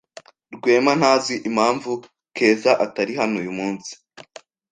Rwema ntazi impamvu Keza atari hano uyu munsi.